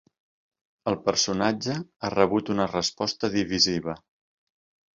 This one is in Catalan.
El personatge ha rebut una resposta divisiva.